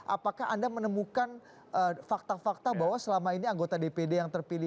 apakah anda menemukan fakta fakta bahwa selama ini anggota dpd yang terpilih